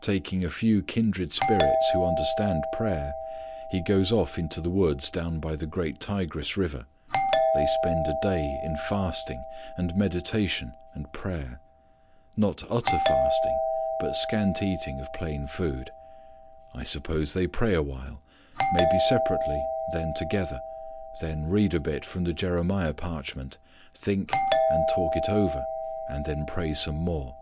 Taking a few kindred spirits, who understand prayer, he goes off into the woods down by the great Tigris River. They spend a day in fasting, and meditation and prayer. Not utter fasting, but scant eating of plain food. I suppose they pray awhile; maybe separately, then together; then read a bit from the Jeremiah parchment, think and talk it over and then pray some more.